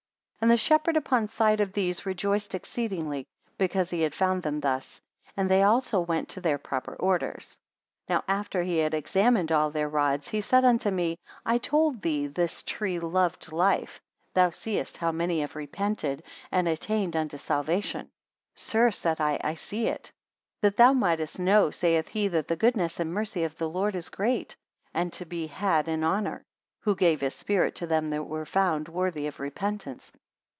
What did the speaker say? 44 And the shepherd upon sight of these rejoiced exceedingly, because he had found them thus; and they also went to their proper orders. 45 Now after he had examined all their rods, he said unto me, I told thee that this tree loved life thou seest how many have repented, and attained unto salvation. Sir, said I, I see it. 46 That thou mightest know saith he, that the goodness and mercy of the Lord is great, and to be had in honour; who gave his spirit to them that were found worthy of repentance.